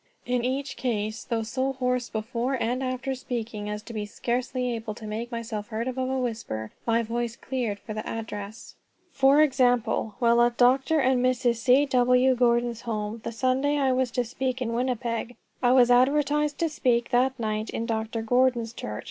In each case, though so hoarse before and after speaking as to be scarcely able to make myself heard above a whisper, my voice cleared for the address. For example: while at Dr. and Mrs. C. W. Gordon's home the Sunday I was to speak in Winnipeg, I was advertised to speak that night in Dr. Gordon's church.